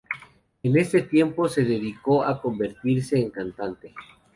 En ese tiempo, se decidió a convertirse en cantante.